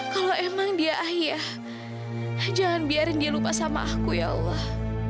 kalau emang dia ahyah jangan biarin dia lupa sama aku ya allah